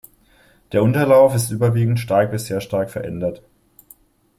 Der Unterlauf ist überwiegend stark bis sehr stark verändert.